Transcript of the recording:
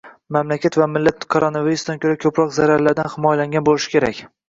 Mamlakat va millat koronavirusdan ko'ra ko'proq zararlardan himoyalangan bo'lishi kerak